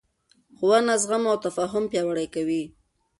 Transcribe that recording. ښوونه زغم او تفاهم پیاوړی کوي